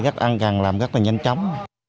gắt ăn gàng làm rất là nhanh chóng